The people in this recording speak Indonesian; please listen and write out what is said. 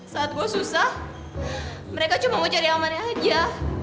saat gue susah mereka cuma mau cari amannya aja